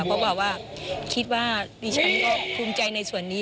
เขาบอกว่าคิดว่าดิฉันก็ภูมิใจในส่วนนี้